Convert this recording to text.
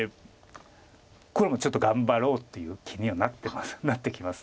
黒もちょっと頑張ろうっていう気にはなってきます。